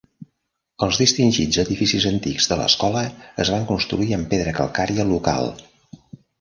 Els distingits edificis antics de l'escola es van construir amb pedra calcària local.